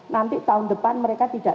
nanti tahun depan mereka tidak